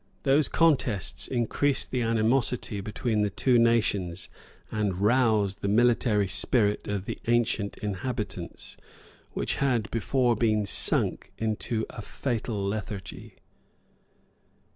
Those contests increased the animosity between the two rations, and roused the military spirit of the ancient inhabitants, which had before been sunk into a fatal lethargy.